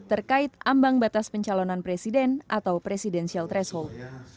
terkait ambang batas pencalonan presiden atau presidensial threshold